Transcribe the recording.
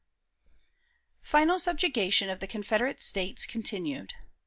Final Subjugation of the Confederate States (continued).